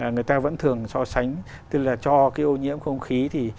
người ta vẫn thường so sánh tức là cho cái ô nhiễm không khí thì